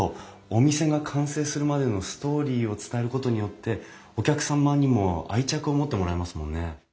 お店が完成するまでのストーリーを伝えることによってお客様にも愛着を持ってもらえますもんね。